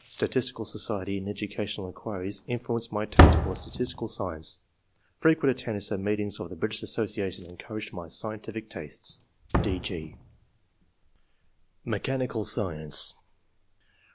statistical society in educa tional inquiries influenced my taste for statistical science ; frequent attendance at meetings of the British Association encouraged my scientific tastes." (rf, g) MECHANICAL SCIENCE.